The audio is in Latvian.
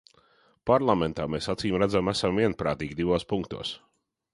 Parlamentā mēs acīmredzami esam vienprātīgi divos punktos.